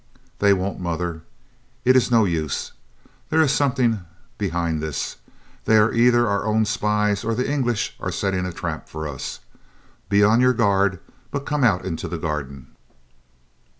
"They won't, mother. It is no use. There is something behind this. They are either our own spies or the English are setting a trap for us. Be on your guard, but come out into the garden."